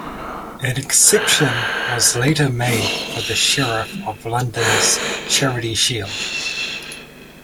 An exception was later made for the Sheriff of London's Charity Shield.